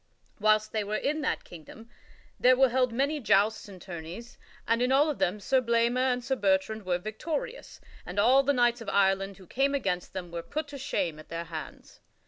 Whilst they were in that kingdom there were held many jousts and tourneys, and in all of them Sir Blamor and Sir Bertrand were victorious, and all the knights of Ireland who came against them were put to shame at their hands.